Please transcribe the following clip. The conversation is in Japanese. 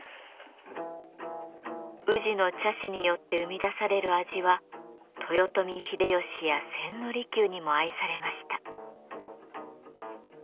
宇治の茶師によって生み出される味は豊臣秀吉や千利休にも愛されました。